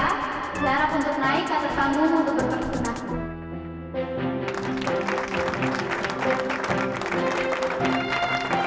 seharap untuk naik kata kamu untuk berperkenas